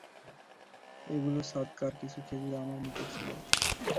এগুলো সদকার কিছু খেজুর আমার নিকট ছিল।